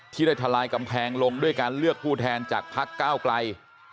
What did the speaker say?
ที่ได้ทลายกำแพงลงด้วยการเลือกผู้แทนจากพักก้าวไกล